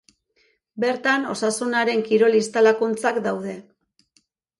Bertan Osasunaren kirol instalakuntzak daude.